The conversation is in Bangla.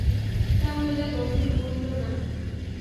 তা হইলে– দামিনী কহিল, না।